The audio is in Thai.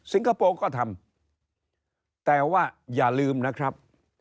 คโปร์ก็ทำแต่ว่าอย่าลืมนะครับ